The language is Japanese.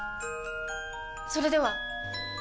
それでは！